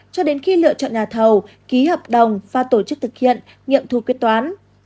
cho đến khi lựa chọn nhà thầu ký hợp đồng pha tổ chức thực hiện nghiệm thu quyết toán